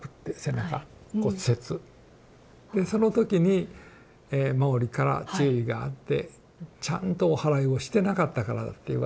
でその時にマオリから注意があって「ちゃんとおはらいをしてなかったからだ」って言われまして。